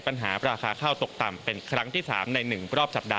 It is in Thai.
ติดตามจากคุณเจนศักดิ์